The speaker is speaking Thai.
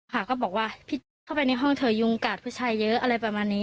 ค่ะก็บอกว่าพี่แจ๊คเข้าไปในห้องเถยุงกาดผู้ชายเยอะอะไรประมาณนี้